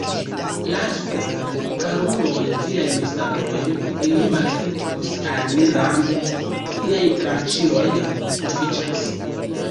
Lasu, karuloj, viajn sabrojn, ili malhelpos al ni rampi, niaj tranĉiloj sufiĉas.